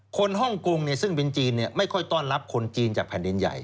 ฮ่องกงซึ่งเป็นจีนไม่ค่อยต้อนรับคนจีนจากแผ่นดินใหญ่